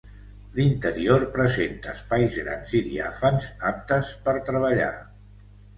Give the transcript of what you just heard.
L'interior presenta espais grans i diàfans aptes per treballar.